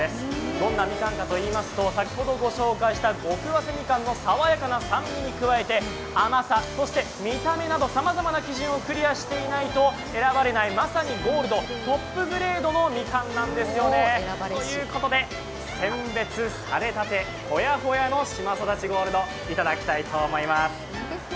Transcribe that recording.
どんなみかんかといいますと先ほどご紹介した極早生みかんの爽やかさに加えて甘さ、そして見た目などさまざまな基準をクリアしていないと選ばれないまさにゴールド、トップグレードのみかんなんですよね。ということで、選別されたて、ほやほやの島そだちゴールドいただきたいと思います。